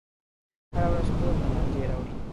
هره ورځ کور ته لانجې راوړي.